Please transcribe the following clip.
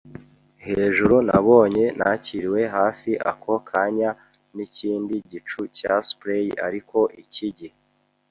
Hejuru nabonye, nakiriwe hafi ako kanya n'ikindi gicu cya spray, ariko iki gihe